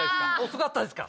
遅かったですか？